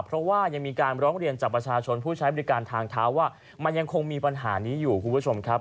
เพราะว่ายังมีการร้องเรียนจากประชาชนผู้ใช้บริการทางเท้าว่ามันยังคงมีปัญหานี้อยู่คุณผู้ชมครับ